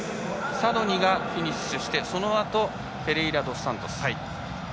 サドニがフィニッシュしてそのあとフェレイラドスサントス。